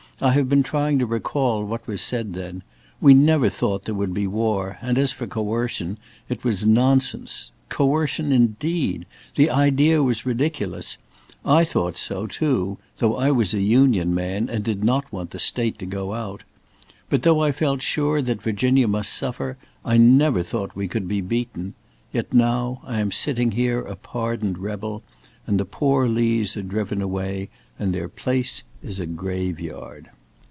I have been trying to recall what was said then. We never thought there would be war, and as for coercion, it was nonsense. Coercion, indeed! The idea was ridiculous. I thought so, too, though I was a Union man and did not want the State to go out. But though I felt sure that Virginia must suffer, I never thought we could be beaten. Yet now I am sitting here a pardoned rebel, and the poor Lees are driven away and their place is a grave yard."